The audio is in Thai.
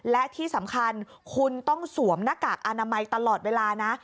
และที่สำคัญคุณต้องสวมหน้ากากอนามัยตลอดเวลานะ